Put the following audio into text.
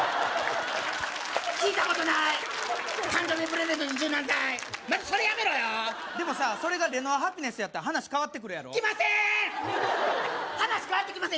聞いたことない誕生日プレゼントに柔軟剤まずそれやめろよでもさそれがレノアハピネスやったら話変わってくるやろきません！